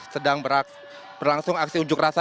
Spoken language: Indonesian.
sedang berlangsung aksi unjuk rasa